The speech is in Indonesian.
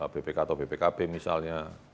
bpk atau bpkb misalnya